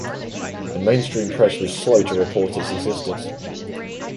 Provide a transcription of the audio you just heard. The mainstream press was slow to report its existence.